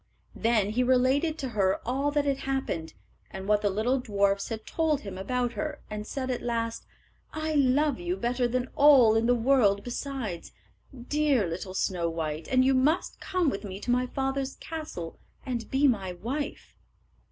Then he related to her all that had happened, and what the little dwarfs had told him about her, and said at last, "I love you better than all in the world besides, dear little Snow white, and you must come with me to my father's castle and be my wife."